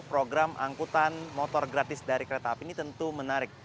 program angkutan motor gratis dari kereta api ini tentu menarik